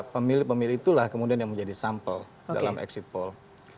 pemilih pemilih itulah kemudian yang menjadi sampel dalam exit poll